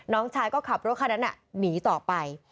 น้องชายก็ขับรถคันนั้นหนีต่อไป